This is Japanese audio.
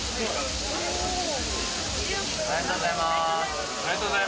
ありがとうございます。